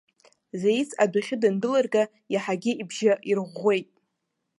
Заиц адәахьы дандәылырга, иаҳагьы ибжьы ирӷәӷәеит.